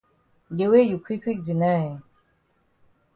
De way you quick quick deny eh.